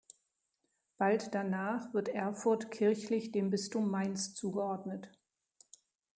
Bald danach wird Erfurt kirchlich dem Bistum Mainz zugeordnet.